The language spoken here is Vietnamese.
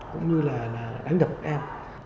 cũng như là đánh đập một em